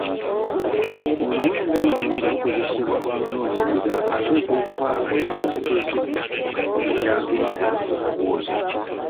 Oluwenda luno nga lukozesebwa omunoonyereza ateekwa okuba nga yateeseteese dda ebyo by'agenda okubuuza.